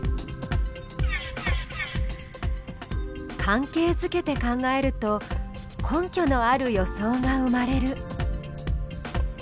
関係づけて考えると根拠のある予想が生まれる。